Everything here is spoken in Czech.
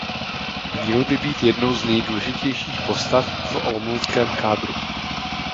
Měl by být jednou z důležitých postav v olomouckém kádru.